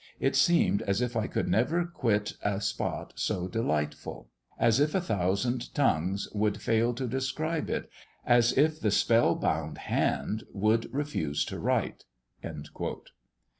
It seemed as if I could never quit a spot so delightful as if a thousand tongues would fail to describe it, as if the spell bound hand would refuse to write."